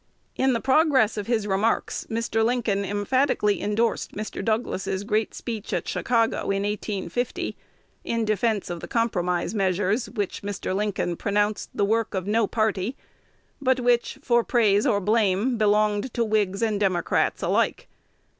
In the progress of his remarks, Mr. Lincoln emphatically indorsed Mr. Douglas's great speech at Chicago in 1850, in defence of the compromise measures, which Mr. Lincoln pronounced the work of no party, but which, "for praise or blame," belonged to Whigs and Democrats alike.